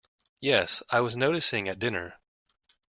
Yes, I was noticing at dinner.